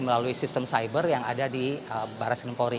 melalui sistem cyber yang ada di baris kedempori